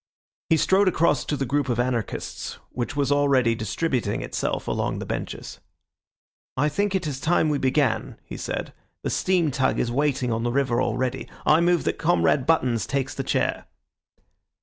He strode across to the group of anarchists, which was already distributing itself along the benches. "I think it is time we began," he said; "the steam tug is waiting on the river already. I move that Comrade Buttons takes the chair."